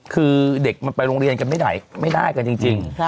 คือเด็กมันไปโรงเรียนกันไม่ได้กันจริง